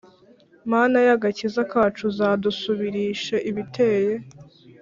Mana y agakiza kacu Uzadusubirishe ibiteye